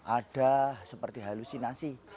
ada seperti halusinasi